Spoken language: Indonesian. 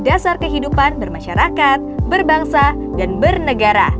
jadi dasar kehidupan bermasyarakat berbangsa dan bernegara